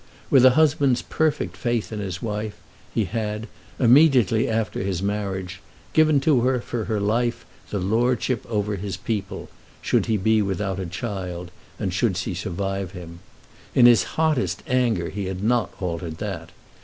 With a husband's perfect faith in his wife, he had, immediately after his marriage, given to her for her life the lordship over his people, should he be without a child and should she survive him. In his hottest anger he had not altered that.